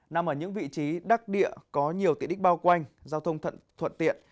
nằm ở những vị trí đắc địa có nhiều tiện đích bao quanh giao thông thuận tiện